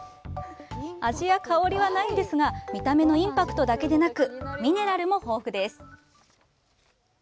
味や香りはないんですが見た目のインパクトだけでなくミネラルも豊富です。